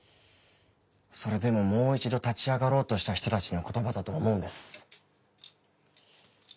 それでももう一度立ち上がろうとした人たちの言葉だと思うんです。